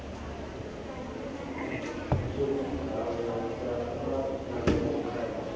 สวัสดีครับสวัสดีครับ